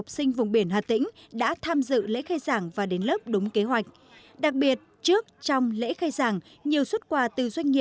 để về sự lễ khai giảng với thầy cô giáo